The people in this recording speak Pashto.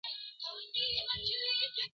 ژبي سل ځايه زخمي د شهبازونو!!